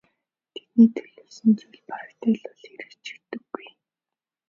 Тэдний төлөвлөсөн зүйл барагтай л бол хэрэгждэггүй.